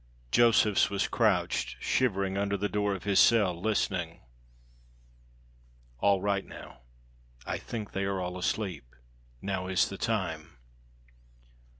Josephs was crouched shivering under the door of his cell, listening. "All right now. I think they are all asleep; now is the time."